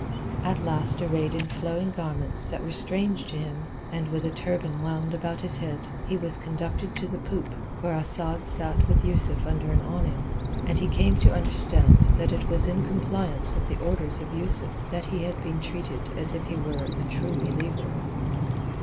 At last arrayed in flowing garments that were strange to him, and with a turban wound about his head, he was conducted to the poop, where Asad sat with Yusuf under an awning, and he came to understand that it was in compliance with the orders of Yusuf that he had been treated as if he were a True Believer.